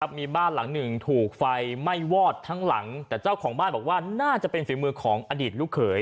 มีบ้านหลังหนึ่งถูกไฟไหม้วอดทั้งหลังแต่เจ้าของบ้านบอกว่าน่าจะเป็นฝีมือของอดีตลูกเขย